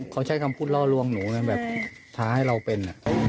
เขาใช้คำพูดล่อลวงหนูแบบท้าให้เราเป็น